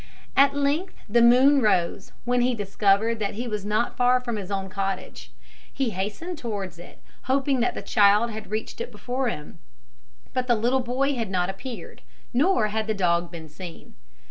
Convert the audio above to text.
At length the moon rose, when he discovered that he was not far from his own cottage. He hastened towards it, hoping that the child had reached it before him; but the little boy had not appeared, nor had the dog been seen.